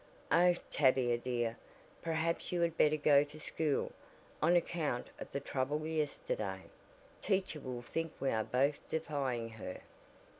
"Oh, Tavia, dear, perhaps you had better go to school. On account of the trouble yesterday, teacher will think we are both defying her."